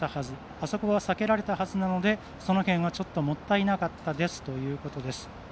あそこは避けられたはずなのでその辺はもったいなかったですということです。